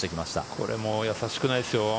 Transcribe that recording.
これも易しくないですよ。